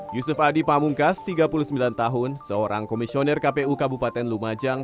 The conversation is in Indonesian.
yusuf adi pamungkas tiga puluh sembilan tahun seorang komisioner kpu kabupaten lumajang